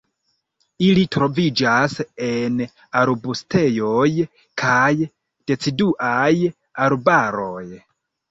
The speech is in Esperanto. Ili troviĝas en arbustejoj kaj deciduaj arbaroj.